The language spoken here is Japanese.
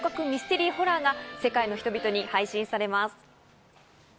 ミステリーホラーが世界の人々に配信されます。